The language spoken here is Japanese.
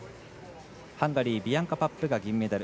ハンガリービアンカ・パップが銀メダル。